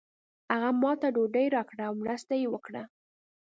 هغه ماته ډوډۍ راکړه او مرسته یې وکړه.